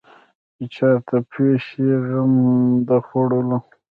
چې چا ته پېښ شي غم د خوړلو.